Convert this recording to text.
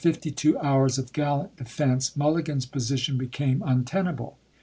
20, after fifty two hours of gallant defense, Mulli gan's position became untenable.